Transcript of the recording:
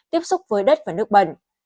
tiếp xúc với đất và nước bẩn